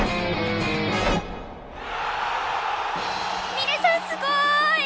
ミレさんすごい！